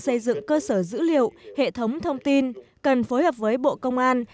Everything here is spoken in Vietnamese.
xây dựng cơ sở dữ liệu hệ thống thông tin cần phối hợp với bộ công an